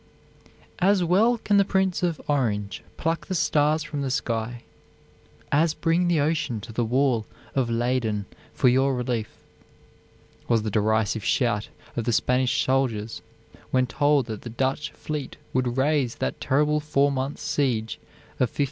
"As well can the Prince of Orange pluck the stars from the sky, as bring the ocean to the wall of Leyden for your relief," was the derisive shout of the Spanish soldiers when told that the Dutch fleet would raise that terrible four months' siege of 1574.